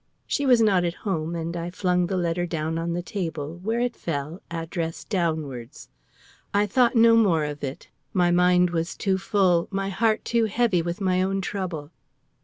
She was not at home, and I flung the letter down on the table, where it fell, address downwards. I thought no more of it; my mind was too full, my heart too heavy with my own trouble.